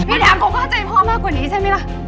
พี่แดมก็เข้าใจพ่อมากกว่านี้ใช่ไหมล่ะ